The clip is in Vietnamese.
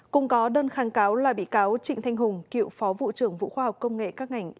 cùng có đơn kháng cáo là bị cáo trịnh thanh hùng cựu phó vụ trưởng vụ khoa học công nghệ các ngành